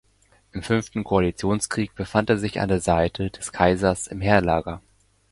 Im fünften Koalitionskrieg befand er sich an der Seite des Kaisers im Heerlager.